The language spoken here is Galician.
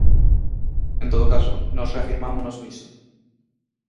En todo caso, nós reafirmámonos niso.